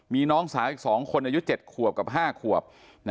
มีน้องสาวอีกสองคนอายุเจ็ดขวบกับห้าขวบ